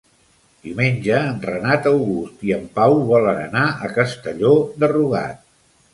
Diumenge en Renat August i en Pau volen anar a Castelló de Rugat.